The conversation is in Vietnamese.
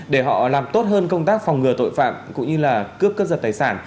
để họ làm tốt hơn công tác phòng ngừa tội phạm cũng như là cướp cướp giật tài sản